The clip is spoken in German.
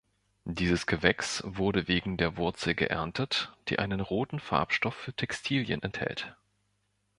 Dieses Gewächs wurde wegen der Wurzel geerntet, die einen roten Farbstoff für Textilien enthält.